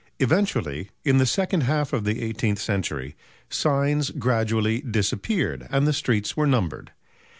Eventually, in the second half of the eighteenth century, signs gradually disappeared and the streets were numbered.